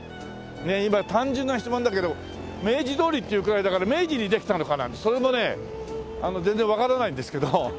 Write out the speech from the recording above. ねえ今単純な質問だけど明治通りっていうくらいだから明治にできたのかなんてそれもね全然わからないんですけど。